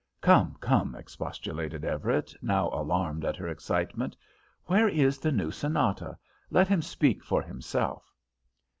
"Come, come," expostulated Everett, now alarmed at her excitement. "Where is the new sonata? Let him speak for himself."